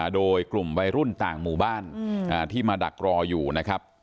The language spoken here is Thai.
โดยกลุ่มวัยรุ่นต่างหมู่บ้านที่มาดักรออยู่นะครับ